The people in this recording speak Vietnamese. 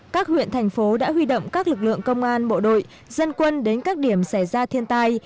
các huyện thành phố đã huy động các lực lượng công an bộ đội dân quân đến các điểm xảy ra thiên tai